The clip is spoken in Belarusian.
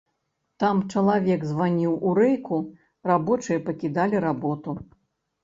Там чалавек званіў у рэйку, рабочыя пакідалі работу.